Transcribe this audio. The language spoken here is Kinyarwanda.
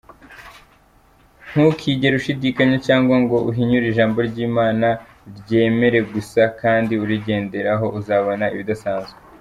Ntukigere ushidikanya cyangwa ngo uhinyure Ijambo ry’Imana, ryemere gusa kandi urigendereho uzabona ibidasanzwe.